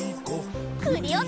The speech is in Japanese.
クリオネ！